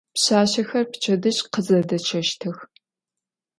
Pşsaşsexer pçedıj khızedeççeştıx.